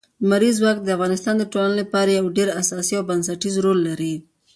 لمریز ځواک د افغانستان د ټولنې لپاره یو ډېر اساسي او بنسټيز رول لري.